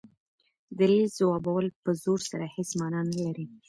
دلیل ځوابول په زور سره هيڅ مانا نه لري.